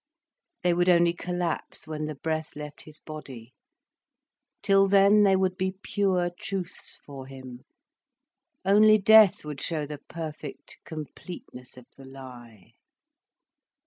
They would only collapse when the breath left his body. Till then they would be pure truths for him. Only death would show the perfect completeness of the lie.